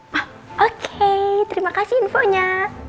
wah oke terima kasih infonya